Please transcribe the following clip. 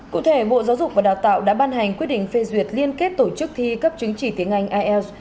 cụ thể bộ giáo dục và đào tạo đã ban hành quyết định phê duyệt liên kết tổ chức thi cấp chứng chỉ tiếng anh ielts